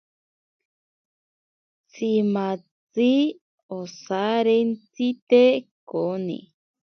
Tsimatzi osarentsite koni.